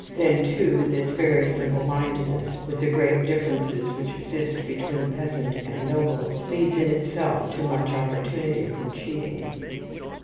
Then, too, this very simple mindedness, with the great differences which exist between peasant and noble, leads in itself to much opportunity for cheating.